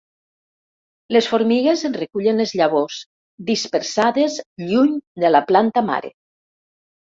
Les formigues en recullen les llavors, dispersades lluny de la planta mare.